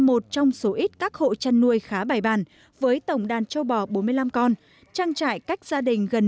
một trong số ít các hộ chăn nuôi khá bài bàn với tổng đàn châu bò bốn mươi năm con trang trại cách gia đình gần